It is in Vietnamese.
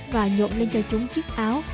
và nhộn lên cho chúng chiếc áo